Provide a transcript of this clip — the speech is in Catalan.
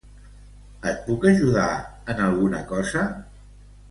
Et puc ajudar en alguna cosa?